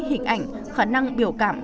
hình ảnh khả năng biểu cảm